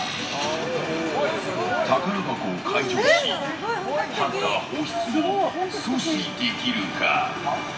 宝箱を解錠しハンター放出を阻止できるか。